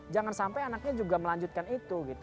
jangan sampai anaknya juga melanjutkan itu gitu